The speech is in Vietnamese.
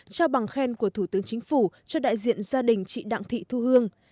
trao bằng khen của thủ tướng chính phủ cho đại diện gia đình chị đặng thị thu hương